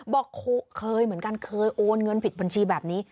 บอกเคยเหมือนกันเคยโอนเงินผิดบัญชีแบบนี้